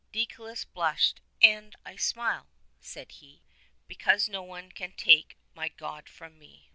Deicolus blushed, and 'I smile,' said he, 'Because no one can take my God from me.